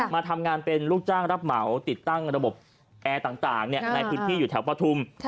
มาทำงานเป็นลูกจ้างรับเหมาติดตั้งระบบแอร์ต่างในพื้นที่อยู่แถวปฐุม